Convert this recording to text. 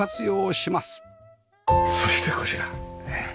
そしてこちら。